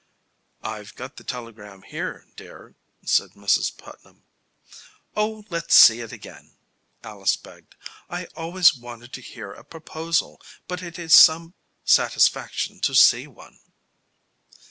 "I've got the telegram here, dear," said Mrs. Putnam. "Oh, let's see it again," Alice begged. "I always wanted to hear a proposal, but it is some satisfaction to see one."